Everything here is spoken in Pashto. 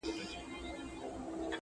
هغه پلار یې چي یو وخت شاه جهان وو؛